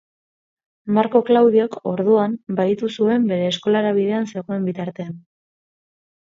Marko Klaudiok, orduan, bahitu zuen bere eskolara bidean zegoen bitartean.